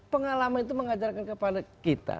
pengalaman itu mengajarkan kepada kita